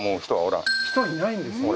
人居ないんですか？